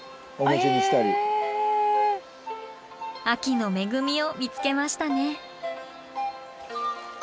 秋の恵みを見つけましたね。